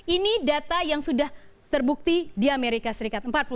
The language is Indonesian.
ini data yang sudah terbukti di amerika serikat